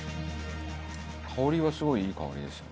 香りはすごいいい香りですよね。